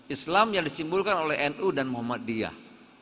islam yang disimbolkan oleh nu dan muhammadiyah